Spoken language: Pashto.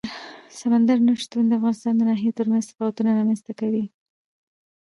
سمندر نه شتون د افغانستان د ناحیو ترمنځ تفاوتونه رامنځ ته کوي.